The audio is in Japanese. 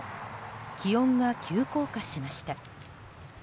気温が急降下しました。